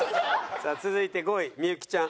さあ続いて５位幸ちゃん。